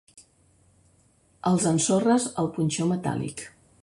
Els ensorres el punxó metàl·lic.